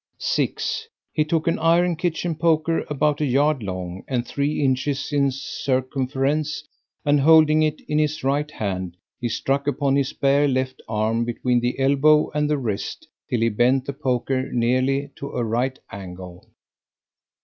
6. He took an iron kitchen poker, about a yard long, and three inches in circumference, and holding it in his right hand, he struck upon his bare left arm, between the elbow and the wrist till he bent the poker nearly to a right angle.